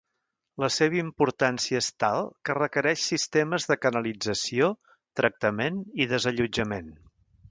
La seva importància és tal que requereix sistemes de canalització, tractament i desallotjament.